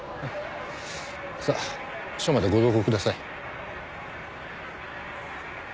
さあ署までご同行ください。